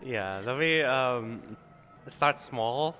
ya tapi um mulai dari kecil